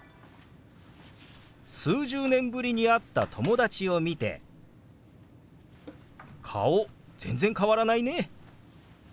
数十年ぶりに会った友達を見て「顔全然変わらないね」。